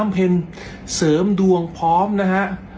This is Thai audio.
ฮ่าอ้าววักันไปเนาะ